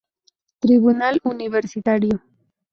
Tribunal Universitario.